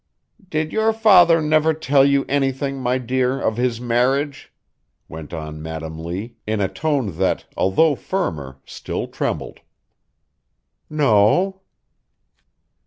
"Did your father never tell you anything, my dear, of his marriage?" went on Madam Lee in a tone that although firmer still trembled. "No."